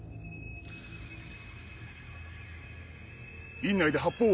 院内で発砲音！